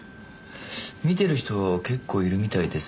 見てる人結構いるみたいですね。